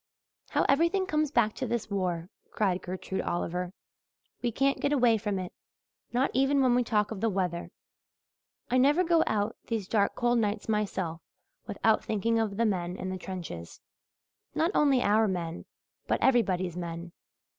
"How everything comes back to this war," cried Gertrude Oliver. "We can't get away from it not even when we talk of the weather. I never go out these dark cold nights myself without thinking of the men in the trenches not only our men but everybody's men.